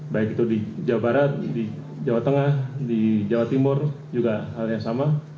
baik itu di jawa barat di jawa tengah di jawa timur juga hal yang sama